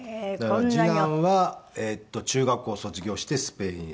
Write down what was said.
次男は中学校を卒業してスペインへ。